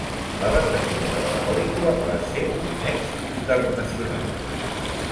La banda sonora de la pel·lícula va ser un èxit internacional.